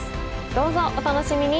どうぞお楽しみに！